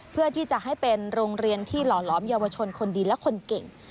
เพื่อที่จะให้เป็นโรงเรียนที่หล่อหลอมเยาวชนคนดีและคนเก่ง